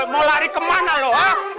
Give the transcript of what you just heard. baru kan di pulang